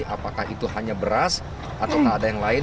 apakah itu hanya beras atau tak ada yang lain